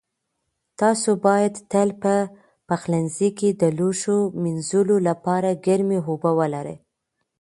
تاسو باید تل په پخلنځي کې د لوښو مینځلو لپاره ګرمې اوبه ولرئ.